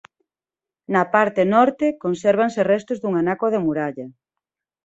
Na parte norte consérvanse restos dun anaco de muralla.